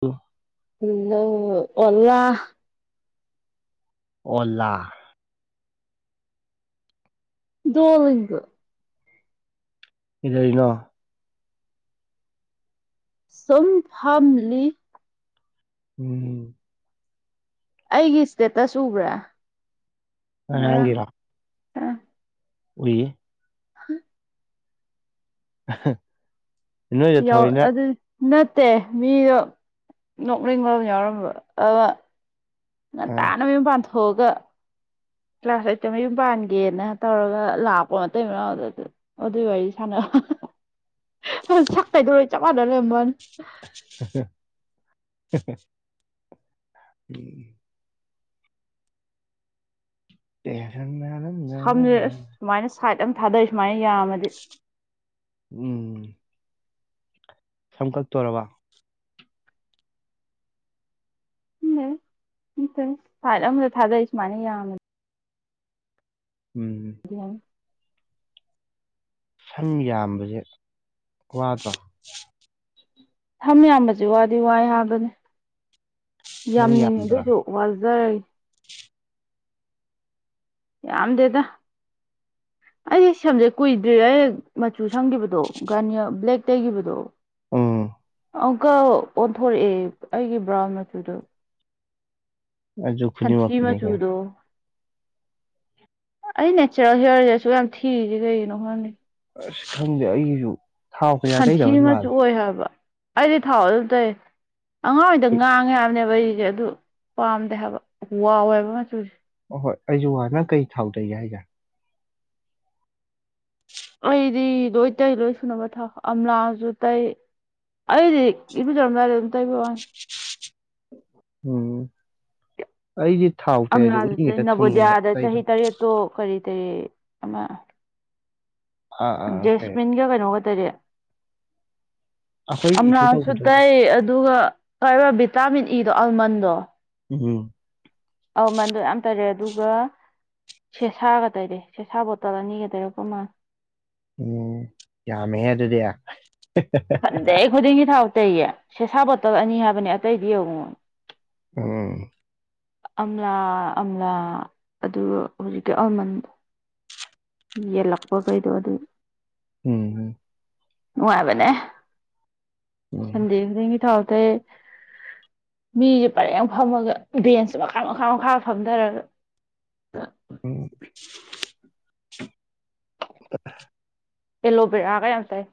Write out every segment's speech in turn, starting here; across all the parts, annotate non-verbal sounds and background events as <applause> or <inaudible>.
ꯑꯣ <unintelligible> ꯎ ꯅ <unintelligible> ꯑꯣꯂꯥ꯫ ꯑꯣꯂꯥ꯫ ꯗꯣꯂꯨꯡꯒ꯫ <unintelligible> ꯀꯩꯗꯧꯏꯅꯣ꯫ ꯁꯨꯝ ꯐꯝꯂꯤ꯫ ꯎꯝ꯫ ꯑꯩꯒꯤ ꯏꯁꯇꯦꯇꯁ ꯎꯕ꯭ꯔꯥ꯫ ꯉꯔꯥꯡ ꯉꯔꯥꯡꯒꯤꯔꯣ꯫ ꯎꯏ꯫ ꯍꯝ꯫ <unintelligible> ꯅꯣꯏꯗ ꯌꯥꯎ ꯊꯑꯣꯏꯅ ꯑꯗꯨ ꯅꯠꯇꯦ ꯃꯤꯗꯣ ꯅꯣꯛꯅꯤꯡ ꯃꯝ ꯌꯥꯎꯔꯝꯕ ꯑꯃ ꯑꯥ ꯉꯟꯇꯥꯅ ꯃꯌꯨꯝ ꯄꯥꯟꯊꯣꯛꯑꯒ꯫ ꯀ꯭ꯂꯥꯁ ꯑꯩꯠꯇ ꯃꯌꯨꯝ ꯄꯥꯟꯒꯦꯅ ꯇꯧꯔꯒ ꯂꯥꯛꯄ ꯃꯇꯩ ꯃꯅꯥꯎ ꯑꯗꯨꯗ꯫ ꯑꯗꯨꯏ ꯋꯥꯔꯤ ꯁꯥꯟꯅ ꯃꯁꯛ ꯀꯩꯗ ꯂꯣꯏ ꯆꯞ ꯃꯥꯟꯅ ꯂꯩꯔꯕꯅꯦ꯫ ꯎꯝ ꯁꯝꯖꯦ ꯑꯁ <unintelligible> ꯁꯨꯃꯥꯏꯅ ꯁꯥꯏꯠ ꯑꯃ ꯊꯥꯗꯩ ꯁꯨꯃꯥꯏꯅ ꯌꯥꯝꯃꯗꯤ꯫ ꯎꯝ꯫ ꯁꯝꯀꯛꯇꯣꯔꯕ꯫ <unintelligible> ꯁꯥꯏꯠ ꯑꯗ ꯊꯥꯗꯩ ꯁꯨꯃꯥꯏꯅ ꯌꯥꯝꯃꯗꯤ꯫ ꯎꯝ꯫ ꯁꯝ ꯌꯥꯝꯕꯁꯦ ꯋꯥꯗꯣ꯫ ꯁꯝ ꯌꯥꯝꯕꯕꯁꯤ ꯋꯥꯗꯤ ꯋꯥꯏ ꯍꯥꯏꯕꯅꯤ ꯅꯪ ꯌꯥꯝꯅꯤꯡꯉꯦ ꯌꯥꯝꯗ꯭ꯔꯥ ꯑꯗꯨꯏꯁꯨ꯫ ꯋꯥꯖꯩ꯫ ꯌꯥꯝꯗꯦꯗ꯫ ꯑꯩꯒꯤ ꯁꯦꯝꯖꯦ ꯀꯨꯏꯗ꯭ꯔꯤ ꯑꯩ ꯃꯆꯨ ꯁꯪꯈꯤꯕꯗꯣ ꯒꯥꯔꯅꯤꯌꯥ ꯕ꯭ꯂꯦꯛ ꯇꯩꯈꯤꯕꯗꯣ꯫ ꯎꯝ ꯑꯪꯎꯀ ꯑꯣꯟꯊꯣꯔꯛꯑꯦ ꯑꯩꯒꯤ ꯕ꯭ꯔꯥꯎꯟ ꯃꯆꯨꯗꯣ꯫ ꯑꯗꯨ ꯁꯟꯊꯤ ꯈꯨꯗꯤꯡꯃꯛꯀꯤꯅꯤ ꯀꯩꯅꯣ ꯑꯁ ꯃꯆꯨꯗꯣ꯫ ꯑꯩ ꯅꯦꯆꯔꯦꯜ ꯍꯤꯌꯔꯁꯦ ꯑꯁꯨꯛꯌꯥꯝ ꯊꯤꯔꯤꯁꯦ ꯀꯩꯒꯤꯅꯣ ꯈꯪꯗꯦ꯫ ꯑꯁ ꯈꯪꯗꯦ ꯑꯩꯒꯤꯁꯨ꯫ ꯊꯥꯎ ꯀꯌꯥ ꯁꯟꯊꯤ ꯇꯩꯗꯕꯩ ꯃꯆꯨ ꯃꯥꯜꯂꯦ ꯑꯣꯏ ꯍꯥꯏꯕ꯫ ꯑꯩꯗꯤ ꯊꯥꯎ ꯑꯗꯨꯝ ꯇꯩ ꯑꯉꯥꯡꯑꯣꯏꯔꯤꯗ ꯉꯥꯡꯉꯦ ꯍꯥꯏꯕꯅꯦꯕ ꯑꯩꯁꯦ ꯑꯗꯨ꯫ ꯄꯥꯝꯗꯦ ꯍꯥꯏꯕ ꯋꯥꯎꯋꯦꯕ ꯃꯆꯨꯁꯦ꯫ ꯑꯍꯣꯏ ꯑꯩꯁꯨ ꯋꯥ ꯅꯪ ꯀꯩ ꯊꯥꯎꯇꯩꯒꯦ ꯍꯥꯏꯖꯦ꯫ ꯑꯩꯗꯤ ꯂꯣꯏ ꯇꯩ ꯂꯣꯏ ꯁꯨꯅꯕ ꯊꯥꯎ ꯑꯝꯂꯥꯁꯨ ꯇꯩ꯫ ꯑꯩꯗꯤ ꯏꯔꯨꯖꯧꯔꯝꯗꯥꯏꯗ ꯑꯗꯨꯝ ꯇꯩꯕ ꯋꯥꯅꯤ꯫ ꯎꯝ ꯑꯩꯗꯤ ꯊꯥꯎ ꯇꯩꯔꯗꯤ ꯎꯔꯤꯡ ꯍꯦꯛꯇ ꯊꯨꯝꯉꯦꯅ ꯇꯩꯗꯕ꯫ ꯇꯣ ꯀꯔꯤ ꯀꯔꯤ ꯑꯃ꯫ ꯑꯥ ꯑꯥ ꯀꯩ ꯖꯦꯁꯃꯤꯟ ꯒ ꯀꯩꯅꯣꯒ ꯇꯩꯔꯦ꯫ ꯑꯩꯈꯣꯏꯒꯤ ꯏꯁꯨ ꯑꯝꯂꯥꯁꯨ ꯇꯧꯕꯗꯣ ꯇꯩ ꯑꯗꯨꯒ ꯀ ꯚꯤꯇꯥꯃꯤꯟ ꯏꯗꯣ ꯑꯜꯃꯟꯗꯣ꯫ ꯎꯝ꯫ ꯑꯧꯃꯟꯗꯣ ꯌꯥꯝ ꯇꯔꯦ ꯑꯗꯨꯒ꯫ ꯁꯦꯁꯥꯒ ꯇꯩꯔꯦ ꯁꯦꯁꯥ ꯕꯣꯇꯜ ꯑꯅꯤꯒ ꯇꯩꯔꯛꯄ ꯃꯥꯜꯂꯦ꯫ ꯎꯝ ꯌꯥꯝꯃꯦꯍꯦ ꯑꯗꯨꯗꯤ ꯊꯣꯏꯗꯤꯡꯒꯤ ꯊꯥꯎ ꯇꯩꯌꯦ ꯁꯦꯁꯥ ꯕꯣꯇꯜ ꯑꯅꯤ ꯍꯥꯏꯕꯅꯦ ꯑꯇꯩꯗꯤ ꯌꯦꯡꯉꯨ꯫ ꯎꯝ꯫ ꯑꯝꯂꯥ ꯑꯝꯂꯥ ꯑꯗꯨ ꯍꯧꯖꯤꯛꯀꯤ ꯑꯜꯃꯟꯗꯣ꯫ ꯌꯦꯜꯂꯛꯄꯈꯩꯗꯣ ꯑꯗꯨ꯫ ꯎꯝ꯫ ꯅꯨꯡꯉꯥꯏꯕꯅꯦ ꯎꯝ ꯁꯟꯗꯦ ꯈꯨꯗꯤꯡꯒꯤ ꯊꯥꯎ ꯇꯩ ꯃꯤꯁꯦ ꯄꯔꯦꯡ ꯐꯝꯃꯒ ꯕꯦꯟꯁ ꯃꯈꯥ ꯃꯈꯥ ꯃꯈꯥ ꯐꯝꯊꯔꯒ <unintelligible> ꯎꯝ ꯃꯨꯠꯊꯠꯂꯦ ꯑꯦꯂꯣꯕꯦꯔꯥꯒ ꯌꯥꯝ ꯇꯩꯏ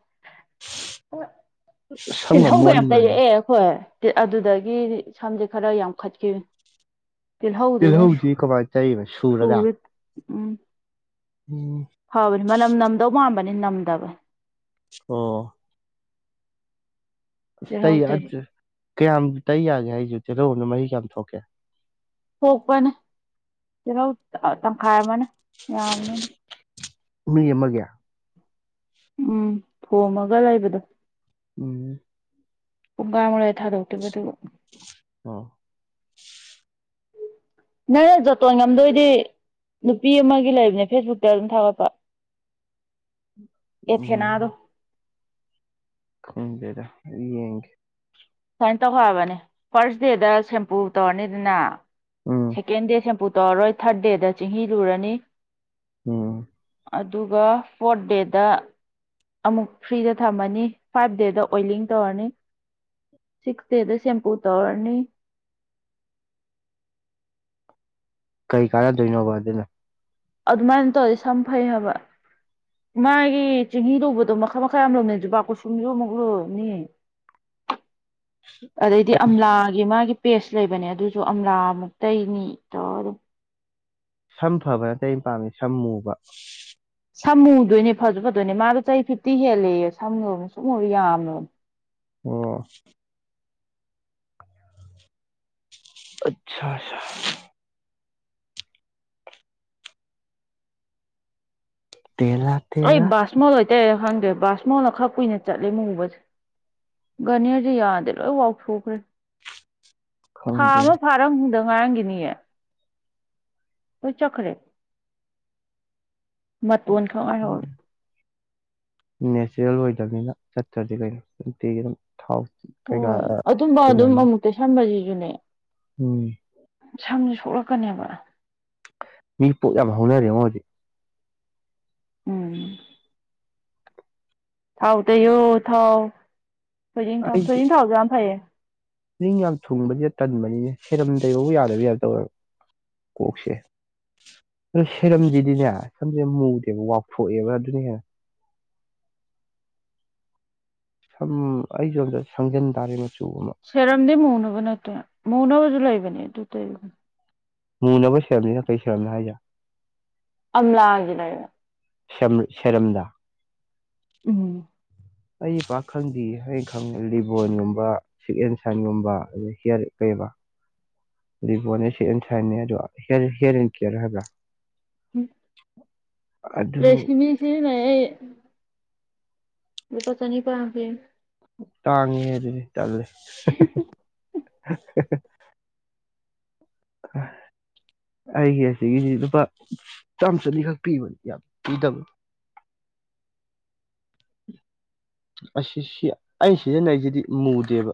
ꯁꯝꯒ ꯇꯤꯜꯍꯧꯒ ꯌꯥꯝ ꯃꯣꯟꯕꯅꯤ ꯇꯩꯔꯛꯑꯦ ꯑꯈꯣꯏ ꯑꯗꯨꯗꯒꯤ ꯁꯝꯁꯦ ꯈꯔ ꯌꯥꯝꯈꯠꯈꯤꯕ ꯇꯤꯜꯍꯧꯗꯨꯅ ꯁꯨ ꯇꯤꯜꯍꯧꯗꯤ ꯀꯃꯥꯏꯅ ꯇꯩꯔꯤꯕ ꯁꯨꯔꯒ ꯁꯨꯔ ꯎꯝ ꯎꯝ ꯐꯕꯅꯤ ꯃꯅꯝ ꯅꯝꯗꯧ ꯃꯥꯟꯕꯅꯦ ꯅꯝꯗꯕ ꯑꯣ ꯇꯤꯜꯍꯧ ꯇꯩ ꯇꯩꯔꯤ ꯑꯗꯨ ꯀꯌꯥꯝ ꯇꯩ ꯌꯥꯒꯦ ꯍꯥꯏꯁꯦ ꯇꯦꯜꯍꯧ ꯑꯃꯅ ꯃꯍꯤ ꯀꯌꯥꯝ ꯊꯣꯛꯀꯦ ꯊꯣꯛꯄꯅꯦ ꯇꯤꯜꯍꯧ ꯇꯪꯈꯥꯏ ꯑꯃꯅ ꯌꯥꯕꯅꯦ ꯑꯗꯨꯝ ꯃꯤ ꯑꯃꯒꯤ ꯎꯝ ꯊꯣꯝꯃꯒ ꯂꯩꯕꯗꯣ ꯎꯝ ꯄꯨꯡꯈꯥꯃꯨꯛ ꯂꯩꯔꯒ ꯊꯥꯗꯣꯛꯇꯣꯏꯕ ꯑꯗꯨꯒ ꯑꯣ ꯅꯪꯅ ꯖꯣꯇꯣꯟ ꯉꯝꯗꯣꯏꯗꯤ ꯅꯨꯄꯤ ꯑꯃꯒꯤ ꯂꯩꯕꯅꯦ ꯐꯦꯁꯕꯨꯛꯇ ꯑꯗꯨꯝ ꯊꯥꯒꯠꯄ ꯎꯝ ꯑꯦꯊꯦꯅꯥꯗꯣ ꯈꯪꯗꯦꯗ ꯑꯩ ꯌꯦꯡꯒꯦ ꯁꯨꯃꯥꯏꯅ ꯇꯧ ꯍꯥꯏꯕꯅꯦ ꯐꯥꯔꯁ ꯗꯦꯗ ꯁꯦꯝꯄꯨ ꯇꯧꯔꯅꯤꯗꯅ ꯎꯝ ꯁꯦꯀꯦꯟ ꯗꯦ ꯁꯦꯝꯄꯨ ꯇꯧꯔꯔꯣꯏ ꯊꯥꯔꯠ ꯗꯦꯗ ꯆꯤꯡꯍꯤ ꯂꯨꯔꯅꯤ ꯎꯝ ꯑꯗꯨꯒ ꯐꯣꯔꯠ ꯗꯦꯗ ꯑꯃꯨꯛ ꯐ꯭ꯔꯤꯗ ꯊꯝꯃꯅꯤ ꯐꯥꯏꯚ ꯗꯦꯗ ꯑꯣꯏꯂꯤꯡ ꯇꯧꯔꯅꯤ ꯁꯤꯛꯁ ꯗꯦꯗ ꯁꯦꯝꯄꯨ ꯇꯧꯔꯅꯤ ꯀꯔꯤ ꯀꯥꯟꯅꯗꯣꯏꯅꯣꯕ ꯑꯗꯨꯅ ꯑꯗꯨꯃꯥꯏꯅ ꯑꯗꯨꯝ ꯇꯧꯔꯗꯤ ꯁꯝ ꯐꯩ ꯍꯥꯏꯕ ꯃꯥꯒꯤ ꯆꯤꯡꯍꯤ ꯂꯨꯧꯕꯗꯣ ꯃꯈꯜ ꯃꯈꯜ ꯌꯥꯝ ꯂꯨꯕꯅꯦ ꯖꯨꯕꯥ ꯀꯨꯁꯨꯝꯁꯨ ꯑꯃꯨꯛ ꯂꯨꯅꯤ ꯑꯗꯩꯗꯤ ꯑꯩ ꯑꯝꯂꯥꯒꯤ ꯃꯥꯒꯤ ꯄꯦꯁ ꯂꯩꯕꯅꯦ ꯑꯗꯨꯁꯨ ꯑꯝꯂꯥ ꯑꯃꯨꯛ ꯇꯩꯅꯤ ꯇꯧꯔ ꯑꯗꯨꯝ ꯁꯝ ꯐꯕ ꯅꯠꯇꯦ ꯑꯩꯅ ꯄꯥꯝꯃꯤ ꯁꯝ ꯃꯨꯕ ꯁꯝ ꯃꯨꯗꯣꯏꯅꯦ ꯐꯥꯖꯨ ꯐꯗꯣꯏꯅꯦ ꯃꯥꯗꯣ ꯆꯍꯤ ꯐꯤꯐꯇꯤ ꯍꯦꯜꯂꯦꯌꯦ ꯁꯝꯗꯣ ꯃꯨꯁꯨꯛ ꯃꯨꯔ ꯌꯥꯝꯃꯦꯕ ꯑꯣ ꯑꯠꯁꯥ ꯁꯥ ꯇꯦ ꯂꯥꯥ ꯑꯩ ꯕꯥꯁꯃꯣꯟ ꯑꯣꯏ ꯇꯩꯔ ꯈꯪꯗ꯭ꯔꯦ ꯕꯥꯁꯃꯣꯜꯅ ꯈꯔ ꯀꯨꯏꯅ ꯆꯠꯂꯦ ꯃꯨꯕꯁꯦ ꯒꯥꯅꯤꯌꯔꯗꯤ ꯌꯥꯗꯦ ꯂꯣꯏ ꯋꯥꯎꯊꯣꯛꯈ꯭ꯔꯦ ꯊꯥ ꯑꯃ ꯈꯪꯗꯦꯅꯦ ꯐꯥꯔꯝ ꯗ ꯉꯥꯏꯔꯝꯒꯤꯅꯤꯌꯦ ꯂꯣꯏ ꯆꯠꯈ꯭ꯔꯦ ꯃꯇꯣꯟ ꯈꯛ ꯉꯥꯏꯍꯧꯔꯦ ꯅꯦꯆꯔꯦꯜ ꯑꯣꯏꯗꯕꯅꯤꯅ ꯆꯠꯇ꯭ꯔꯗꯤ ꯀꯩꯅꯣ ꯅꯨꯡꯇꯤꯒꯤ ꯑꯗꯨꯝ ꯊꯥꯎ ꯀꯩꯀꯥ ꯍꯣꯏ ꯑꯗꯨꯝꯕ ꯑꯗꯨꯝ ꯁꯤꯖꯤꯟꯅꯕꯅꯤ ꯑꯃꯨꯛ ꯇꯩꯁꯟꯕꯖꯤꯖꯨꯅꯦ ꯎꯝ ꯁꯝ ꯁꯣꯛꯂꯛꯀꯅꯦꯕ ꯃꯤ ꯄꯣꯠ ꯌꯥꯝ ꯍꯧꯅꯔꯦꯉꯣ ꯍꯧꯖꯤꯛ ꯎꯝ ꯊꯥꯎ ꯇꯩꯌꫭ ꯊꯥꯎ ꯊꯣꯏꯗꯤꯡ ꯊꯥꯎ ꯊꯣꯏꯗꯤꯡ ꯊꯥꯎꯖꯨ ꯌꯥꯝ ꯐꯩꯌꯦ ꯅꯤꯡ ꯌꯥꯝ ꯊꯨꯡꯕꯁꯤꯗ ꯇꯟꯕꯅꯤꯅꯦ ꯁꯦꯔꯝꯇꯩꯕꯐꯧ ꯌꯥꯗꯕꯤ ꯇꯥꯞ ꯇꯧꯏꯕ ꯀꯣꯛꯁꯦ ꯑꯗꯨꯗ ꯁꯦꯔꯝꯁꯤꯗꯤꯅꯦ ꯁꯝꯁꯤ ꯃꯨꯗꯦꯕ ꯋꯥꯎꯊꯣꯛꯑꯦꯕ ꯑꯗꯨꯅ ꯍꯦꯟꯅꯥ ꯁꯝ ꯑꯩꯁꯨ ꯑꯝꯇ ꯁꯪꯖꯤꯟ ꯇꯥꯔꯦ ꯃꯆꯨ ꯑꯃ ꯁꯦꯔꯝꯗꯤ ꯃꯨꯅꯕ ꯅꯠꯇꯦ ꯃꯨꯅꯕꯁꯨ ꯂꯩꯕꯅꯦ ꯑꯗꯨ ꯇꯩꯩꯎ ꯃꯨꯅꯕꯨ ꯁꯦꯔꯝꯁꯤꯅ ꯀꯩ ꯁꯦꯔꯝꯅꯣ ꯍꯥꯏꯖꯦ ꯑꯝꯂꯥꯒꯤ ꯂꯩꯔ ꯁꯦꯝ ꯁꯦꯔꯝꯗꯥ ꯎꯝ ꯑꯩꯗꯤ ꯄꯥꯛꯈꯪꯗꯤ ꯑꯩꯈꯪ ꯂꯤꯕꯣꯟꯒꯨꯝꯕ ꯁꯤꯛ ꯑꯦꯟ ꯁꯥꯏꯟꯒꯨꯝꯕ ꯑꯩ ꯍꯤꯌꯔ ꯀꯩꯏꯕ ꯂꯤꯕꯣꯟꯅꯦ ꯁꯤꯛ ꯑꯟꯗ ꯁꯥꯟꯅꯦ ꯑꯗꯣ ꯍꯤꯌꯔ ꯑꯦꯟ ꯀꯦꯔ ꯍꯥꯏꯕ꯭ꯔꯥ ꯑꯗꯨ ꯇ꯭ꯔꯦꯁꯁꯤꯝꯃꯦ ꯁꯤꯖꯤꯟꯅꯩ ꯑꯩ ꯂꯨꯄꯥ ꯆꯅꯤꯄꯥꯟꯄꯤ ꯇꯥꯡꯉꯤꯍꯦ ꯑꯗꯨꯗꯤ ꯇꯜꯂꯦ ꯑ <unintelligible> ꯑꯩꯒꯤ ꯑꯁꯤꯒꯤꯁꯤ ꯂꯨꯄꯥ ꯆꯥꯝꯃ ꯆꯅꯤꯈꯛ ꯄꯤꯕꯅꯦ ꯌꯥꯝ ꯄꯤꯗꯕꯅꯤ ꯑꯁꯤ ꯁꯤ ꯑꯩ ꯁꯤꯖꯤꯟꯅꯩꯁꯤꯗꯤ ꯃꯨꯗꯦꯕ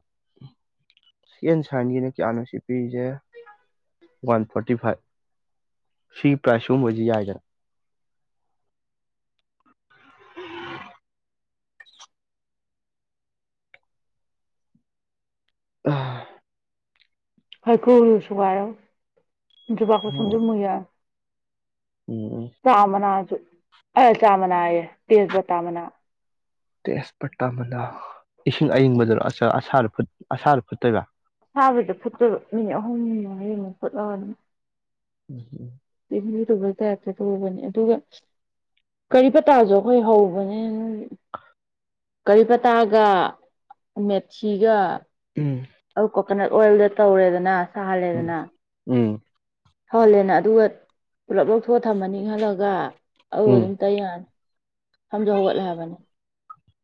ꯁꯤꯛ ꯑꯦꯟ ꯁꯥꯏꯟꯒꯤꯅ ꯀꯌꯥꯅꯣ ꯁꯤ ꯄꯤꯔꯤꯁꯦ ꯋꯥꯟ ꯐꯣꯔꯇꯤꯐꯥꯏꯚ ꯁꯤ ꯄ꯭ꯔꯥꯏꯁ ꯁꯒꯨꯝꯕꯁꯤ ꯌꯥꯏꯗꯅ ꯎ <unintelligible> ꯑꯥ <unintelligible> ꯍꯩꯀꯨꯁꯨ ꯁꯨꯒꯥꯎꯔꯒ ꯖꯨꯕꯥꯀꯨꯁꯨꯝꯁꯨ ꯃꯨꯏꯍꯥꯥꯏ ꯎꯝ ꯆꯥꯃꯅꯥꯁꯨ ꯑꯦ ꯆꯥꯃꯅꯥꯏꯌꯦ ꯇꯦꯖꯄꯇ ꯃꯅꯥ ꯇꯦꯁꯄꯇ ꯃꯅꯥ ꯏꯁꯤꯡ ꯑꯏꯤꯡꯕꯗꯔꯣ ꯑꯁꯥ ꯑꯁꯥꯕꯗꯥ ꯐꯨꯠ ꯐꯨꯠꯇꯣꯏꯕ ꯑꯁꯥꯕꯗ ꯐꯨꯠꯇꯣꯕ ꯃꯤꯅꯤꯠ ꯑꯍꯨꯝ ꯃꯔꯤꯃꯨꯛ ꯐꯨꯠꯂꯒ ꯑꯗꯨꯝ ꯎꯝꯍꯝ <unintelligible> <unintelligible> ꯇꯧꯕ ꯇꯥꯞꯇ ꯇꯧꯕꯅꯦ ꯑꯗꯨꯒ ꯀꯔꯤ ꯄꯇꯥꯁꯨ ꯑꯩꯈꯣꯏ ꯍꯧꯕꯅꯦ ꯀꯔꯤꯄꯇꯥꯒ ꯃꯦꯠꯊꯤꯒ ꯎꯝ ꯑꯜꯀꯣ ꯀꯣꯀꯣꯅꯠ ꯑꯣꯏꯜꯗ ꯇꯧꯔꯦꯗꯅ ꯎꯝ ꯁꯥꯍꯜꯂꯦꯗꯅ ꯎꯝ ꯁꯧꯍꯜꯂꯦꯅ ꯑꯗꯨꯒ ꯄꯨꯂꯞ ꯂꯧꯊꯣꯛꯑ ꯊꯝꯃꯅꯤ ꯏꯪꯍꯜꯂꯒ ꯑꯗꯨ ꯑꯗꯨꯝ ꯇꯩ ꯌꯥꯔꯅꯤ ꯁꯝꯖꯨ ꯍꯧꯒꯠꯂꯦ ꯍꯥꯏꯕꯅꯤ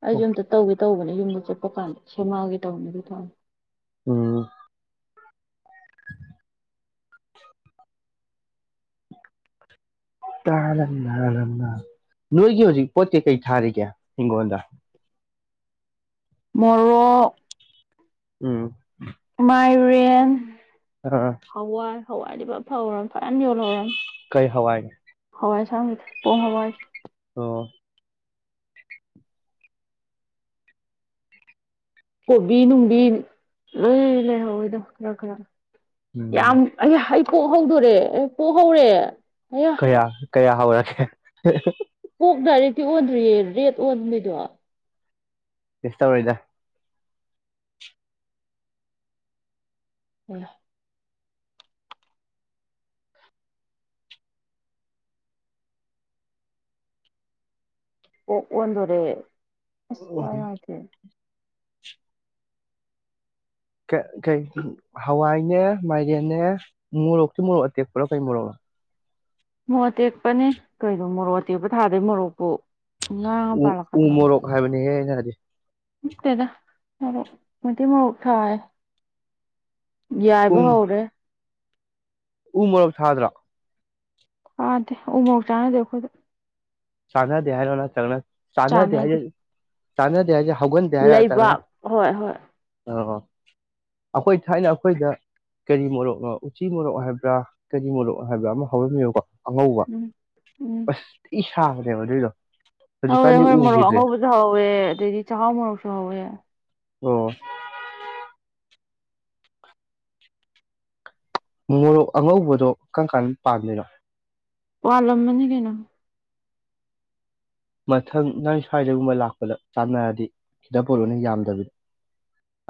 ꯑꯩꯁꯨꯦ ꯑꯝꯇ ꯇꯧꯒꯦ ꯇꯧꯕꯅꯦ ꯌꯨꯝꯗ ꯆꯠꯄ ꯀꯝꯀꯥꯟꯗ ꯁꯦꯝꯃꯛ ꯑꯒꯦ ꯇꯧꯅꯤ ꯑꯗꯨꯏ ꯊꯥꯎꯗꯨ ꯎꯝ <inaudible> <inaudible> ꯇꯥꯔ ꯅꯣꯏꯒꯤ ꯍꯧꯖꯤꯛ ꯄꯣꯠ ꯀꯩ ꯀꯩ ꯊꯥꯔꯤꯒꯦ ꯍꯤꯡꯒꯣꯟꯗ ꯃꯣꯔꯣꯛ ꯎꯝ ꯃꯥꯏꯔꯦꯟ ꯑ <unintelligible> ꯍꯋꯥꯏ ꯍꯋꯥꯏ <unintelligible> ꯐꯧꯔ ꯐꯖꯅ ꯌꯣꯜꯍꯧꯔꯅꯤ ꯀꯩ ꯍꯋꯥꯏ ꯍꯋꯥꯏ ꯑꯁꯥꯡꯕꯤꯗ‌ꯣ ꯄꯣꯡ ꯍꯋꯥꯏ ꯑꯣ ꯀꯣꯕꯤ ꯅꯨꯡꯕꯤ ꯂ‌ꯣꯏ ꯂꯩꯍꯧꯋꯦꯗꯣ ꯈꯔ ꯈꯔ ꯌꯥꯝ ꯎꯝ ꯑꯩ ꯍꯩꯊꯣꯛꯍꯧꯗꯣꯔꯦ ꯑꯦ ꯄ‌ꯣꯍꯧꯔꯦ ꯑꯌꯥ ꯀꯌꯥ ꯀꯌꯥ ꯍꯧꯔꯒꯦ ꯀꯣꯛ ꯗꯥꯏꯔꯦꯛꯇꯤ ꯑꯣꯟꯗ꯭ꯔꯤꯌꯦ ꯔꯦꯠ ꯑꯣꯟꯕꯤꯗꯣ ꯀꯩꯁ ꯇꯧꯔ‌ꯣꯏꯗꯥ <unintelligible> ꯑꯣꯛ ꯑꯣꯟꯗꯣꯔꯦ ꯑꯁ ꯑꯣ ꯊꯋꯥꯏ ꯅꯨꯡꯉꯥꯏꯇ‌ꯦ ꯀꯩ ꯀꯩ ꯍꯋꯥꯏꯅꯦ ꯃꯥꯏꯔꯦꯟꯅꯦ ꯃꯣꯔꯣꯛꯇꯤ ꯃꯣꯔꯣꯛ ꯑꯇꯦꯛꯄꯔꯣ ꯀꯩ ꯃꯣꯔꯣꯛ ꯃꯣꯔꯣꯛ ꯑꯇꯦꯛꯄꯅꯤ ꯀꯩꯅ‌ꯣ ꯃꯣꯔꯣꯛ ꯑꯇꯦꯛꯄ ꯊꯥꯗꯤ ꯃꯣꯔꯣꯛꯄꯨ ꯉꯥꯡꯉ ꯎ ꯎ ꯄꯥꯜꯂꯛꯀꯗ꯭ꯔꯣ ꯃꯣꯔꯣꯛ ꯍꯥꯏꯕꯅꯤꯍꯦ ꯑꯩꯅ ꯍꯥꯏꯗꯤ ꯅꯠꯇ‌ꯦꯗꯥ ꯃ‌ꯣꯔ‌ꯣꯛ ꯃꯇꯩ ꯃ‌ꯣꯔ‌ꯣꯛ ꯊꯥꯏ ꯎ ꯌꯥꯏꯕ ꯍꯧꯔꯦ ꯎ ꯃꯣꯔꯣꯛ ꯊꯥꯗ꯭ꯔꯣ ꯊꯥꯗꯦ ꯎ ꯃꯣꯔꯣꯛ ꯆꯥꯟꯅꯗꯦ ꯑꯈꯣꯏꯗ ꯆꯥꯟꯅꯗꯦ ꯍꯥꯏꯔꯣ ꯅꯠꯇꯔꯒꯅ ꯆꯥꯟꯅꯗꯦ ꯍꯥꯏꯖꯦ ꯆꯥꯟꯅꯗꯦ ꯍꯥꯏꯖꯦ ꯍꯧꯒꯟꯗꯦ ꯍꯥꯏꯔꯥ ꯂꯩꯕꯥꯛ ꯍꯣꯏ ꯍꯣꯏ ꯅꯠꯇꯔꯒꯅ ꯑꯣ ꯑꯈꯣꯏ ꯊꯥꯏꯅ ꯑꯩꯈꯣꯏꯗ ꯀꯔꯤ ꯃꯣꯔꯣꯛꯅꯣ ꯎꯆꯤ ꯃꯣꯔꯣꯛ ꯍꯥꯏꯕ꯭ꯔꯥ ꯀꯔꯤ ꯃꯣꯔꯣꯛ ꯍꯥꯏꯕ꯭ꯔꯥ ꯑꯃ ꯍꯧꯔꯝꯃꯦꯕꯀꯣ ꯑꯉꯧꯕ ꯎꯝ ꯎꯝ ꯑꯁ ꯊꯤ ꯁꯥꯕꯅꯦꯕ ꯑꯗꯨꯏꯗꯣ ꯍꯧꯋꯦ ꯍꯧꯖꯤꯛꯀꯥꯟꯗꯤ ꯍꯣꯏ ꯃꯣꯔꯣꯛ ꯎꯈꯤꯗ꯭ꯔꯦ ꯑꯉꯧꯕꯁꯨ ꯍꯧꯋꯦ ꯑꯗꯩꯗꯤ ꯆꯥꯛꯍꯥꯎ ꯃꯣꯔꯣꯛꯁꯨ ꯍꯧꯋꯦ ꯑꯣ ꯃꯣꯔꯣꯛ ꯑꯉꯧꯕꯗꯣ ꯀꯔꯝ ꯀꯥꯟꯗ ꯄꯥꯟꯗꯨꯏꯅꯣ ꯄꯥꯜꯂꯝꯃꯅꯤ ꯀꯩꯅꯣ ꯃꯊꯪ ꯅ‌ꯣꯏ ꯁ꯭ꯋꯥꯏꯗꯒꯨꯝꯕ ꯂꯥꯛꯄꯗ ꯆꯥꯟꯅꯔꯗꯤ ꯈꯤꯇ ꯄꯣꯔꯑꯣꯅꯦ ꯌꯥꯝꯗꯕꯤ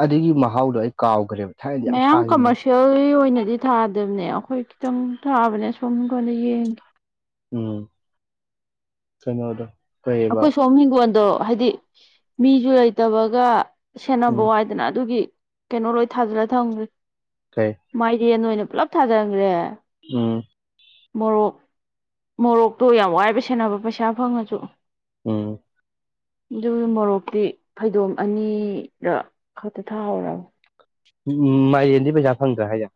ꯑꯗꯨꯒꯤ ꯃꯍꯥꯎꯗꯣ ꯑꯩ ꯀꯥꯎꯒ꯭ꯔꯦꯕ ꯃꯌꯥꯝ ꯀꯃꯔꯁ ꯊꯤꯌ‌ꯣꯔꯤ ꯑꯣꯏꯅꯗꯤ ꯊꯥꯗꯕꯅꯦ ꯑꯩꯈꯣꯏ ꯈꯤꯇꯪ ꯊꯥꯕꯅꯦ ꯁꯣꯝ ꯀꯣꯟꯅ ꯌꯦꯡꯒꯦ ꯎꯝ ꯀꯩꯅꯣꯗꯣ ꯀꯩꯕ ꯑꯈꯣꯏ ꯁꯣꯝ ꯍꯤꯡꯒꯣꯟꯗꯣ ꯍꯥꯏꯗꯤ ꯃꯤꯖꯨ ꯂꯩꯇꯕꯒ ꯁꯦꯟꯅꯕ ꯎꯝ ꯋꯥꯏꯗꯅ ꯑꯗꯨꯒꯤ ꯀꯩꯅꯣ ꯂꯣꯏ ꯊꯥꯖꯜꯂ ꯊꯝꯒꯔ‌ꯦ ꯀꯩ ꯃꯥꯏꯔꯦꯟ ꯑꯣꯏꯅ ꯄꯨꯂꯞ ꯊꯥꯖꯟꯈ꯭ꯔ‌ꯦ ꯎꯝ ꯃꯣꯔꯣꯛ ꯃꯣꯔꯣꯛꯇꯣ ꯌꯥꯝ ꯋꯥꯏꯕ ꯁꯦꯟꯅꯕ ꯄꯩꯁꯥ ꯐꯪꯉꯁꯨ ꯎꯝ ꯗꯨꯒꯤ ꯃꯣꯔꯣꯛꯇꯤ ꯐꯩꯗꯣꯝ ꯑꯅꯤꯔ ꯈꯛꯇ ꯊꯥꯍꯧꯔꯕ ꯎꯝ ꯃꯥꯏꯔꯦꯟꯗꯤ ꯄꯩꯁꯥ ꯐꯪꯗ꯭ꯔꯥ ꯍꯥꯏꯖ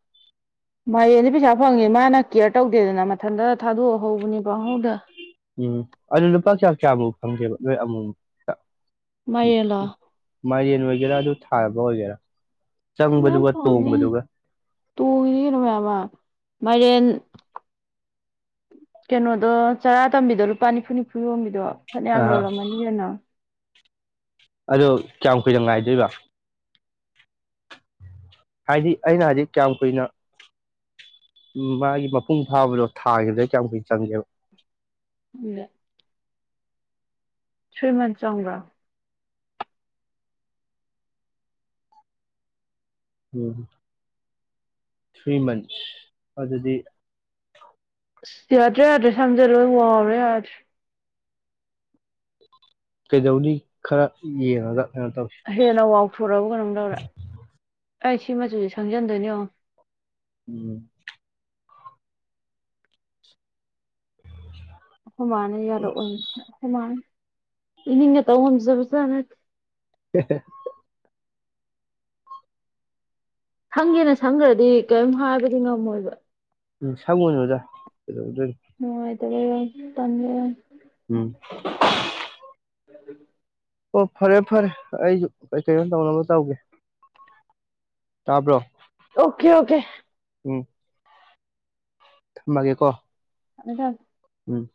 ꯃꯥꯏꯔꯦꯟꯗꯤ ꯄꯩꯁꯥ ꯐꯪꯉꯦ ꯃꯥꯅ ꯀꯦꯌꯔ ꯇꯧꯗꯦꯗꯅ ꯃꯊꯟꯇ ꯊꯥꯗꯣꯛꯑ ꯍꯧꯕꯟ ꯄꯪꯍꯧꯗ ꯎꯝ ꯑꯗꯨ ꯂꯨꯄꯥ ꯀꯌꯥ ꯀꯌꯥꯃꯨꯛ ꯐꯪꯒꯦꯕ ꯅꯣꯏ ꯑꯃꯨꯃꯨꯛꯇ ꯃꯥꯏꯔꯦꯟꯂꯣ <unintelligible> ꯃꯥꯏꯔ‌ꯦꯟ ꯑꯣꯏꯒꯦꯔꯥ ꯑꯗꯨ ꯊꯥꯕ ꯑꯣꯏꯒꯦꯔꯥ ꯃꯌꯥꯝ ꯆꯪꯕꯗꯨꯒ ꯐꯪꯉꯝꯅꯤ ꯇꯣꯡꯕꯗꯨꯒ ꯇꯣꯡꯉꯤꯅꯤ ꯀꯩꯅꯣ ꯃꯌꯥꯝ ꯃꯥ ꯃꯥꯏꯔꯦꯟ ꯀꯩꯅꯣꯗꯣ ꯆꯔꯥ ꯇꯝꯕꯤꯗꯣ ꯂꯨꯄꯥ ꯅꯤꯐꯨ ꯅꯤꯐꯨ ꯌꯣꯟꯝꯕꯤꯗꯣ ꯐꯅꯌꯥꯝ ꯑꯥ ꯌꯣꯜꯂꯝꯃꯅꯤ ꯀꯩꯅꯣ ꯑꯗꯣ ꯀꯌꯥꯝ ꯀꯨꯏꯅ ꯉꯥꯏꯗꯣꯏꯕ ꯍꯥꯏꯗꯤ ꯑꯩꯅ ꯍꯥꯏꯗꯤ ꯀꯌꯥꯝ ꯀꯨꯏꯅ ꯃꯥꯒꯤ ꯃꯄꯨꯡ ꯐꯥꯕꯗꯣ ꯊꯥꯒꯤꯕꯗꯩ ꯀꯌꯥꯝ ꯀꯨꯏꯅ ꯆꯪꯒꯦꯕ ꯈꯪꯗꯦ <unintelligible> ꯊ꯭ꯔꯤꯃꯟꯁ ꯆꯪꯕ꯭ꯔꯥ ꯎꯝ ꯊ꯭ꯔꯤ ꯃꯟꯁ ꯑꯗꯨꯗꯤ ꯑꯁ ꯌꯥꯗ꯭ꯔꯦ ꯌꯥꯗ꯭ꯔꯦ ꯁꯝꯖꯦ ꯂꯣꯏ ꯋꯥꯎꯔꯦ ꯌꯥꯗ꯭ꯔꯦ ꯀꯩꯗꯧꯅꯤ ꯈꯔ ꯌꯦꯡꯉꯒ ꯀꯩꯅꯣ ꯇꯧꯁꯤ ꯍꯦꯟꯅ ꯋꯥꯥꯎꯊꯣꯔꯛꯑꯕ ꯀꯩꯅꯣꯝ ꯇꯧꯔꯦ ꯑꯩ ꯁꯤ ꯃꯆꯨꯁꯦ ꯁꯪꯖꯟꯗꯣꯏꯅꯤ ꯌꯦꯡꯉꯣ ꯎꯝ <inaudible> ꯑꯩꯈꯣꯏꯃꯥꯟꯅ ꯌꯥꯔꯛꯑꯣꯏ ꯑꯩꯈꯣꯏꯃꯥꯅ ꯏꯅꯤꯡꯅꯒ ꯇꯧ ꯉꯝꯖꯕꯖꯥꯠ ꯅꯠꯇꯦ <unintelligible> ꯁꯪꯒꯦꯅ ꯁꯪꯈ꯭ꯔꯗꯤ ꯀꯔꯤꯝ ꯍꯥꯏꯕꯗꯤ ꯉꯝꯃꯣꯏꯕ ꯎꯝ ꯁꯪꯉꯨꯅꯨꯗ ꯀꯩꯗꯧꯗꯣꯏꯅꯣ ꯅꯨꯉꯥꯏꯇꯕ ꯌꯥꯝ ꯇꯟꯂꯦ ꯌꯥꯝ ꯎꯝ <inaudible> ꯑꯣ ꯐꯔꯦ ꯐꯔꯦ ꯑꯩꯁꯨ ꯀꯩꯀꯩꯅꯣ ꯇꯧꯅꯕ ꯇꯧꯒꯦ ꯇꯥꯕ꯭ꯔꯣ ꯑꯣꯈꯦ ꯑꯣꯈꯦ ꯎꯝ ꯊꯝꯃꯒꯦ ꯀꯣ ꯊꯝꯃꯦ ꯊꯝ ꯎꯝ